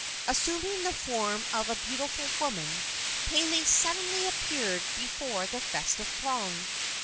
Assuming the form of a beautiful woman, Pele suddenly appeared before the festive throng.